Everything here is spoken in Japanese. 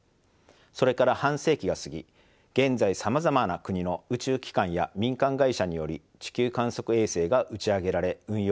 それから半世紀が過ぎ現在さまざまな国の宇宙機関や民間会社により地球観測衛星が打ち上げられ運用されています。